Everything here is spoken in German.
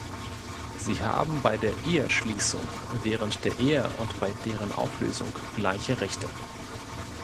Sie haben bei der Eheschließung, während der Ehe und bei deren Auflösung gleiche Rechte.